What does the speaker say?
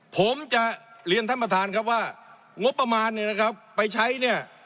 ผมจะเรียนท่านประธานครับว่างบประมาณเนี่ยนะครับไปใช้เนี่ย